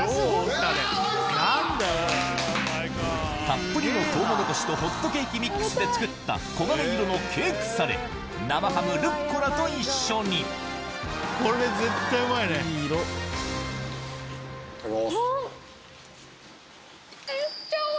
たっぷりのトウモロコシとホットケーキミックスで作った黄金色のケークサレ生ハムルッコラと一緒にあぁ。